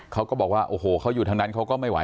เขาก็บอกว่าโอ้โหเขาอยู่ทางนั้นเขาก็ไม่ไห